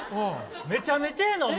めちゃめちゃやな、お前。